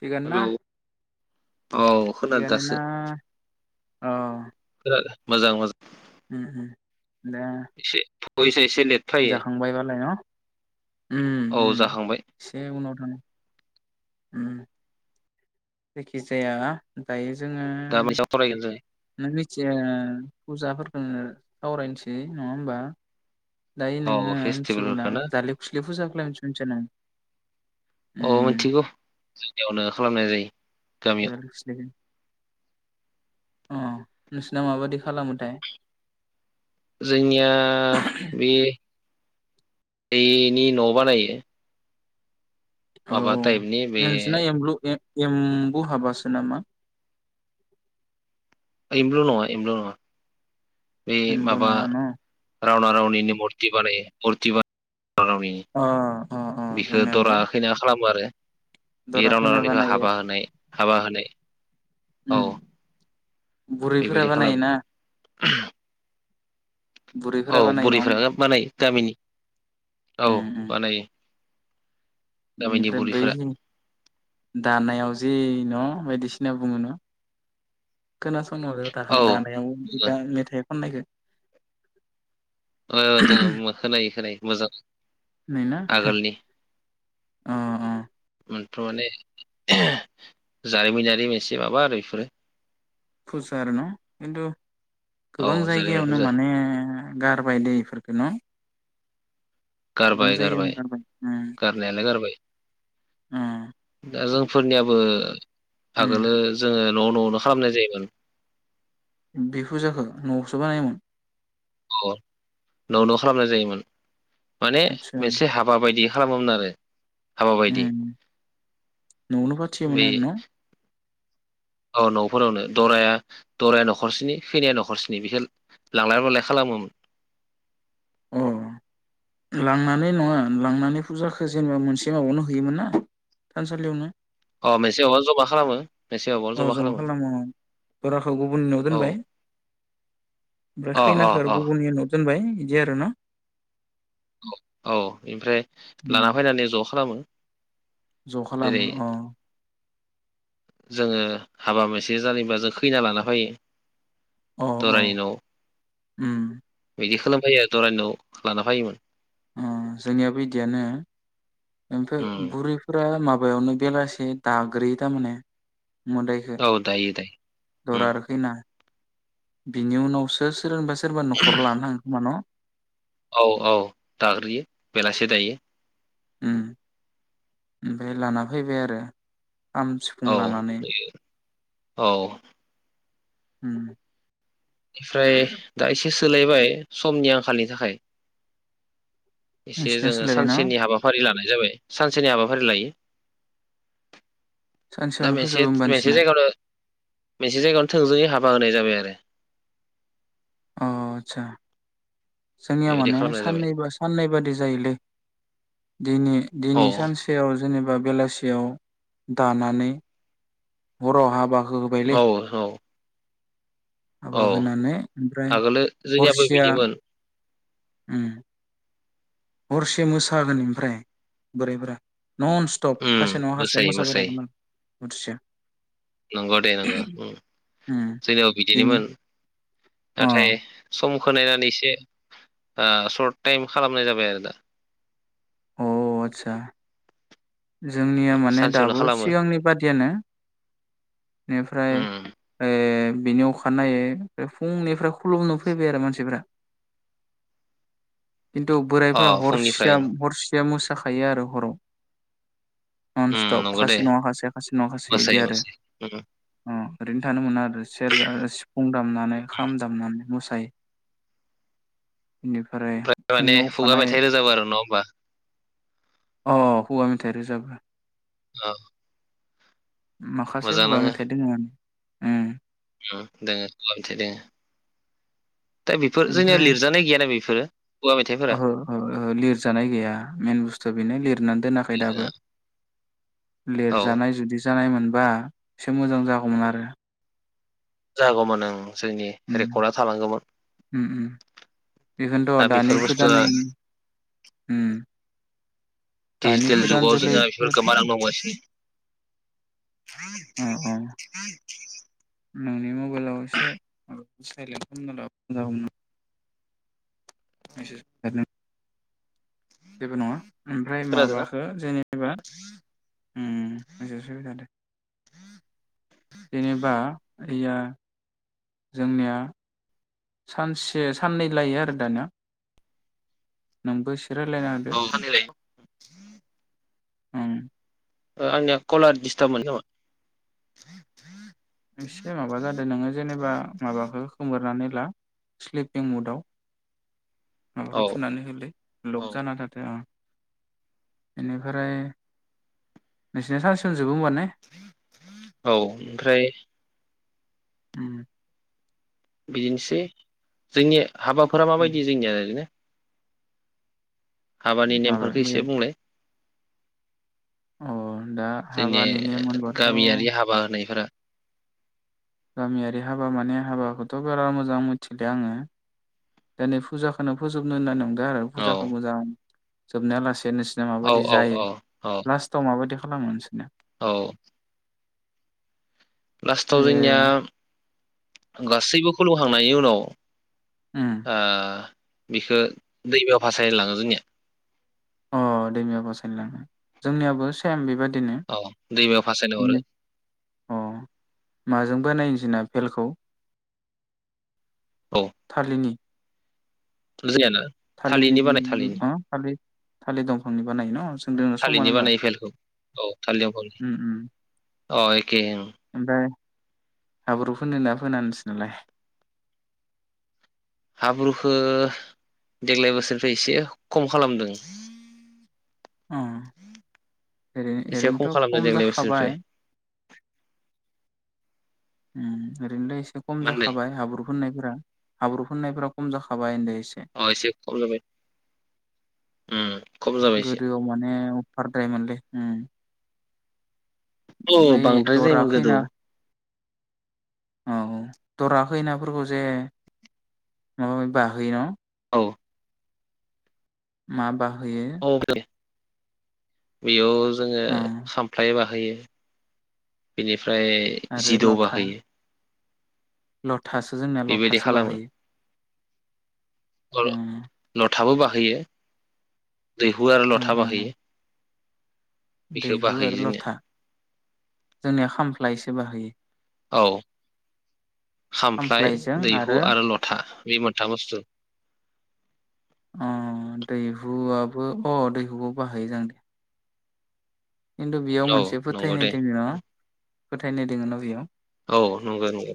थिगानो हेलौ ना औ खोनादों दासो अ मोजां मोजां उम उम दे [unintelligible] जाखांबायबालाय ना उम औ उम जाखांबाय इसे उनाव थांनि उम जायखि जाया दायो दा मोनसेयाव सावरायगोन जों [unintelligible] उम सावरायनोसै नङा होनबा दायो नोङो औ मोथियो ना फेस्टिभेलफोरखौ दा लक्समि पुजाखौ मिथिनो ना मिथिया नों? औ उम मिथिगौ जोंनियावनो खालामनाय जायो गामियाव [inaudible] अ नोंसना माबायि खालामोथाय? जोंनिया बे दैनि न' बानायो। औ माबा टाइपनि बे नोंसिना एमब्लु एम्बु हाबासो नामा? एमब्लु नङा एमब्लु नङा बे एम्बु माबा नङा न' रावना रावनिनि मुरथि बानायो मुरथि बानाय अ अ अ [unintelligible] बिफोर जोंनियाबो दरा खैना खालामनो आरो बि बे दरा रावना खैना रावनिखौ बानायो हाबा होनाय हाबा होनाय औ उम बुरैफोरा बेबायदि खालामो बानायोना [inaudible] औ बुरैफोरा बानायो नङा बुरैफ होमबा बानायो गामिनि औ बानायो। गामिनि बिनिफ्राय बै बुरैफोरा दानायाव जि न' बायदिसिना बुङोना खोनासंनबो दाहा औ दानायाव खुगा मेथाइ [unintelligible] [unintelligible] खोनायो खोनायो मोजां [unintelligible] आगोलनि अ अ [unintelligible] जारिमिनारि मोनसे माबा आरो बेफोरो फुस आरो न' खिन्थु औ गोबां जारिमिनारि जायगायावनो फुजा माने गारबाय दे इफोरखौ न' गोबां गारबाय जायगायावनो गारबाय उम गारनायालाय गारबाय अ दा जोंफोरनियाबो [unintelligible] आगोलो उम जोङो न' न'नो खालामनाय जायोमोन। बि फुजाखौ न'आवसो बानायोमोन अ न' न' खालामनाय जायोमोन। माने आदसा मोनसे हाबा बायदि खालामोमोन आरो हाबा बायदि उम न'आवनो फाथियोमोन बै आरो न' औ न'फोरावनो दराया दराया न'खरसेनि खैनाया न'खरसेनि बेखौ लांलाय लाबोलाय खालामोमोन अ लांनानै नङा लांनानै फुजाखो जेनेबा मोनसे माबायावनो होयोमोन ना थानसालियावनो अ मोनसे अबा जमा खालामो अ जमा खालामो औ बराखौ गुबुननिनाव औ दोनबाय ओमफ्राय अ अ खैनाखो आरो अ गुबुननि उनाव दोनबाय बिदि आरो ना औ औ ओमफ्राय लाना उम फैनानै ज' खालामो ज' जेरै खालामो अ जोङो हाबा मोनसे जायोबा जों खैना लाना फैयो अ अ दरानि न' उम बिदि खालाम [unintelligible] दरानि न'आव लानानै फायोमोन ओ जोंनियाबो इदियानो ओमफ्राय उम बुरैफोरा माबा हाबायावनो बेलासि दाग्रोयो थारमाने मोदायखो औ दायो दायो उम दरा आरो खैना बिनि उनावसो सोरांबासो सोरबा न'खराव लाना थाङो खोमा न'? औ औ दाग्रोयो बेलासि दायो। ओम। ओमफाय लाना फैबाय आरो। खाम सिफुं औ लानानै औ। होम। ओमफ्राय दा एसे सोलायबाय समनि आंखालनि थाखाय एसे नोंसिना जोङो सोलायबाय न' सानसेनि हाबाफारि लानाय जाबाय सानसेनि हाबाफारि लायो। दा सानसेयावनो मोनसे फोजोबो होमबा मोनसे नोंसिना जायगायावनो मोनसे जायगायावनो थोंजोङै हाबा होनाय जाबाय आ रो। अ आदसा। जोंनिया बेबायदि माने खालामनाय जाबाय साननैबा साननै बादि जायोलै दिनि औ दिनै सानसेयाव जेनेबा बेलासिआव दानानै हराव हाबा होबायलै औ औ। औ हाबा होनानै ओमफ्राय आगोलो जोंनियाबो हरसेया बिदिमोन ओम हरसे मोसागोन ओमफ्राय बुरै फोरा। न'न स्टप उम खासे नङा खासे मोसायै मोसायै मोसाबायथागोन आरो हरसिया नंगौ दे नंगौ उम ओम जोंनियाव बेनो बिदिनोमोन अ। नाथाय समखौ नायनानै इसे ओ सर्ट टाइम खालामनाय जाबाय आरो दा। अ आतसा। जोंनिया माने सानसेयावनो दाबो खालामो सिगांनि बादियानो बेनिफ्राय उम ओइ बेनि अखानायै फुंनिफ्राय खुलुमनो फैबाय आरो मानसिफोरा। खिन्थु अ बोरायफोरा फुंनिफ्राय हरसिया हरसेया मो साखायो आरो हराव। न'न उम स्टप नंगौ दे खासे नङा खासेया खासे नङा खासे इदि मोसायै आरो मोसायै उम अ ‌। ओरैनो थानो मोना सेरजा सिफुं दामनानै खाम दामनानै मोसा [unintelligible] ओमफ्राय माने खुगा मेथाइ रोजाबो आरो नङा होमबा? [inaudible] अ खुगा मेथाइ रोजाबो। औ माखासे मोजां खुगा नाङो मेथाइ दङ उम उम दोङो खुगा मेथाइ दोङो दा बेफोर जोंनिया ओमफ्राय लिरजानाय गैयाना बेफोरो खुगा मेथाइफोरा ओहो ओहो लिरजानाय गैया मेन बुस्थुआ बेनो लिरनानै दोनाखै दाबो औ लिरजानाय जुदि जानाय मोन बा एसे मोजां जागौमोन आरो। जागौ मोन ओं जोंनि उम रेकर्डआ थालांगौमोन उम उम दा बेखौनोथ' दानि बेफोर गोदान बुस्थुआ उम दानि दिजिटेल गोदान जुगाव जोंहा बेफोर जोलैफोर गोमालांनो हमगासिनो। औ औ नोंनि मबाइलाव एसे सायलेन्ट खालामना लाबा [unintelligible] जागौमोन [unintelligible] जेबो नङा ओमफ्राय खोनादोंना माबाखो जेनेबा उम [unintelligible] [inaudible] जेनेबा [unintelligible] जोंनिया सानसे साननै लायो आरो दानिया नोंबो रायलायना होदो औ सानैलाय ओं ओ आंनिया कला [unintelligible] खोमा नोंसिनो माबा जादों नोंङो जेनेबा माबाखौ खोमोरनानै ब्ला स्लिपिं मुदाव माबाखौ औ थुनानै होलै लक औ जाना थाथों ओ बेनिफ्राय नोंसिना सा [unintelligible] औ ओमफ्राय उम बिदिनोसै जोंनि हाबाफोरा माबायदि जोंनिया ओरैनो हाबानि माबाया नेमफोरखौ बे एसे बुंलाय? अ दा जोंनि हाबानि नेम होनबाथ' गामियारि हाबा होनायफोरा गामियारि हाबा माने हाबाखौथ' बारा मोजां मिथिलिया आंङो दा फुजाखौनो फोजोबनो होनना नं दा आरो औ फुजाखौ मोजां जोबनाया लासि बे नोसिना औ माबायदि औ जायो? औ औ लास्टाव माबायदि खालामो नोंसोरना औ लासथाव जोंनिआ ए गासैबो खुलुम खांनायनि उनाव उम आह बिखो दैबो फासायलांङो जोंनिया अ दैमायाव बासायनो लांङो जोंनियावो सेम बे बादि दिनो औ दैमायाव फासायनो हरो इनो अह माजों बानायो जो बेल खौ औ थालिनि जोंनियाना थालिर बि थालिरनि बानाय थालिरनि अ थालिर थालिर दंफांनि बानायो न जोंदोंनो समानो थालिरनि होमबा बानायो फेलखौ औ थालिर दंफांनि उम उम अ एखे ओमफ्राय हाब्रु फोनोना फोना नोंसिनालाय? हाब्रुखो देग्लाय बोसोरनिफ्राय एसे खम खालामदों। अह ओरैनो एसे ओरैनोथ' खालामदों खम देग्लाय बोसोरनिफ्राय जाखाबाय। उम ओरैनो दो एसे एसे खम मा होनदों जाखाबाय हाब्रु फोननायफ्रा हाब्रु फनायफोरा खम जाखाबाय ओनदोय अ एसे खम जाबाय, उम खम जाबाय एसे अबार द्राय मोन्रै उम औ बै बांद्राय दरा जायोमोन गोदो। खैना औ दरा खय नाफोरखौ जे माबा मि बाहोयो न औ माबा औ दे बियाव जोङो ओ खामफ्लाय बा होयो बिदि ओमफ्राय जि दौ बाहोयो। ल थासो जोंना बेबायदि लथासो बाहायो। ल लथाबो बाहायो बैयो दैहु आरो ओ लथा ओ बाहायो दैहु आरो लथा जोंनिया खामफ्लायसो सो बाहोयो। औ खामफ्लाय दैहु आरो लथा बे मोनथाम बस्तु बो अ दैखौबो बाहोयोना? किन्तु बेयाव औ मोनसे नंगौ दे फोथायनाय दोङो न फोथायनाय दोङो ना बेयाव औ नंगौ नंगौ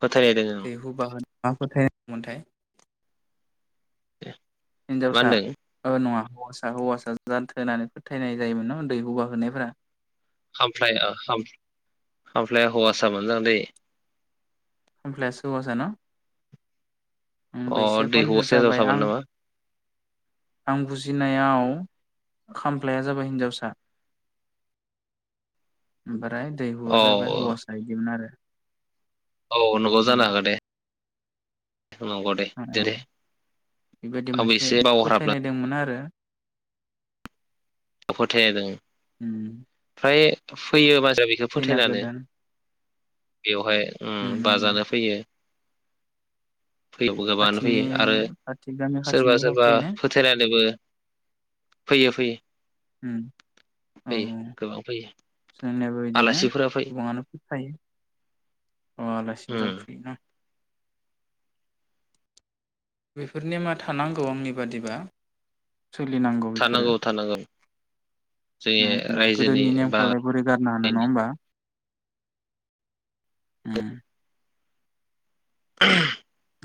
फोथायनाय दङो ओम। दैहु बाहोन मा फोथायनायमोनथाय मा हिनजावसा होनदों ओ नङा हौवासा हौवासा जाथो होननानै फोथायनाय जायोमोन ना दैहु बाहोनायफोरा खामफ्लाय खामफ्लाया हौवासा मोजांदै खामफ्लायासो हौवासा न आंबो अ एसे दै कनफिउस हौवासाया जाबाय हिनजावसामोन आं नामा आं बुजिनायाव खाम्लायआ जाबाय हिनजावसा ओमफ्राय दैहुआ औ जाबाय हौवासा इदिमोन आरो औ नंगौ जानो उम हागौ दे। नंगौदे अ दे दे बेबायदि आंबो मोनसे एसे बावहाबना फोथायनाय दंमोन। आरो फोथाया दों ओ बे फैयोबा दा बेखौ फोथायनानै बेवहाय उम ओम उम उम बाजानो फैयो फैयो गोबाङानो खाथिनि फैयो आरो खाथि गामि सोरबा खाथिनिफ्राव सोरबा फैयोना फोथाय दोङो। फैयो फैयो उम औ फैयो गोबां फैयो जोंनियाबो बिदिनो आलासिफोरा फैयो गोबाङानो फोथायो। उम आलासिफोरा फैयोना। बैफोर नेमा थानांगौ आंनि बादिबा। सोलिनांगौ बेफोरो थानांगौ थानांगौ। जोंनि नङा होमबा रायजोनि गोदोनि बा नेमखौलाय बोरै गारनो हानो नङा होमबा। ओ ओह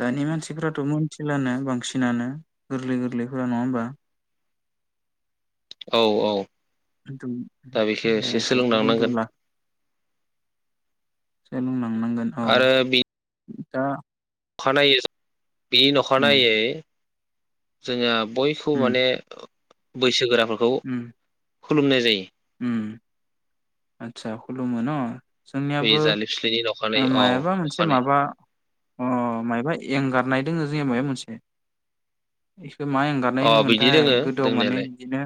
दानि मानसिफ्राथ मोनथिलानो बांसिनानो गोरलै गोरलैफोरा नङा होमबा। औ औ खिनथु दा बेखौ एसे बेफोरखौ खिनथु सोलोंलांनांगोन ला सोलोंना आरो बि दा अखानायै फिन अखा उम नायै जोंहा बयखौबो उम माने बैसोगोरा फोरखौ खुलुमनाय जायो ओम आतसा खुलुमो न‌। बै जालिसनि राव ओ मायाबा मोनसे माबा अ मायबा एंगारनाय दोङो जोंया मायबा मोनसे। मा एंगारनाय अ होनो बिदि मोनथाय दोङो गोदोआव माने दोंनायालाय बिदिनो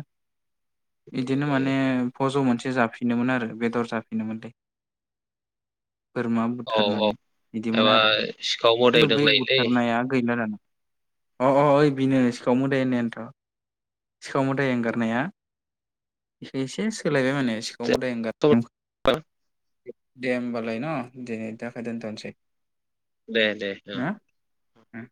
बिदिनो माने फज मोनसै बे जाफिनोमोन आरो बेदर जाफिनोमोनलै। बोरमा औ बुथारनानै औ बिदिमोन एबा आरो सिखाव मोदाय खिन्थु बै दोंलायोलै बुथारनाया गैला दाना। अ अ ओइ बिनो सिखाव मोदाय होननायानोथ सिखाव मोदाय एंगारनाया बेखौ एसे सोलायबाय माने सिखाव मोदाय एंगारनाय हा। दे होमबालाय। लाय न दिनै दाखै दोनथनोसै। दे दे जागोन। होम वल्टकापनि